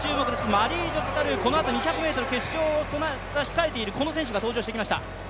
マリージョゼ・タルー、このあと２００ｍ決勝を控えているこの選手が登場してきました。